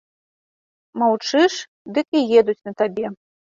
Маўчыш, дык і едуць на табе.